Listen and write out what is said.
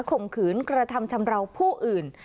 ข่มขืนกระทำชำราวผู้อื่น